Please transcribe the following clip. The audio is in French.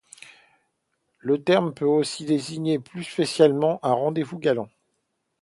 Le terme peut aussi désigner plus spécialement un rendez-vous galant.